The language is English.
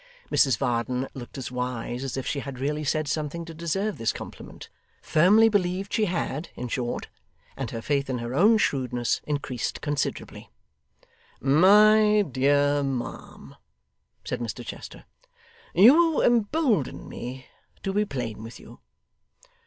Mrs Varden looked as wise as if she had really said something to deserve this compliment firmly believed she had, in short and her faith in her own shrewdness increased considerably. 'My dear ma'am,' said Mr Chester, 'you embolden me to be plain with you.